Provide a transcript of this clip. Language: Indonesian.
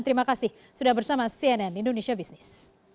terima kasih pak arief